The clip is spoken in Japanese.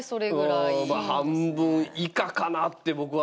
半分以下かなって僕は。